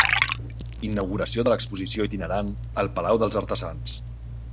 Inauguració de l'exposició itinerant "El Palau dels Artesans".